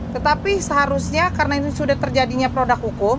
tetapi seharusnya karena ini sudah terjadinya produk hukum